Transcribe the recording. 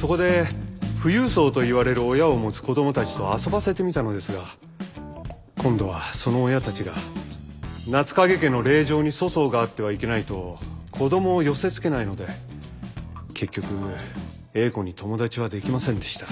そこで富裕層と言われる親を持つ子どもたちと遊ばせてみたのですが今度はその親たちが夏影家の令嬢に粗相があってはいけないと子どもを寄せつけないので結局英子に友達はできませんでした。